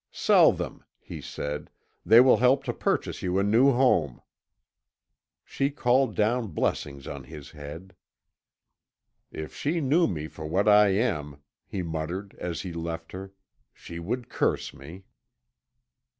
"Sell them," he said; "they will help to purchase you a new home." She called down blessings on his head. "If she knew me for what I am," he muttered as he left her, "she would curse me."